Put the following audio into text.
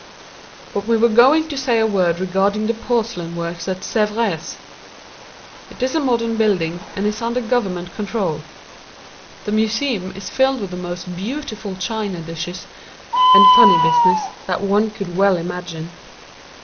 But we were going to say a word regarding the porcelain works at Sèvres. It is a modern building and is under government control. The museum is filled with the most beautiful china dishes and funny business that one could well imagine.